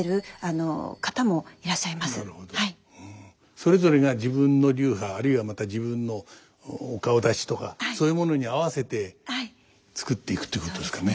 それぞれが自分の流派あるいはまた自分のお顔だちとかそういうものに合わせて作っていくっていうことですかね。